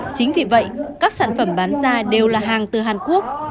chính vì vậy các sản phẩm bán ra đều là hàng từ hàn quốc